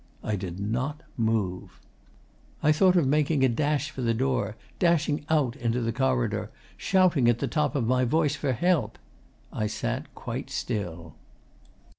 I did not move. 'I thought of making a dash for the door, dashing out into the corridor, shouting at the top of my voice for help. I sat quite still.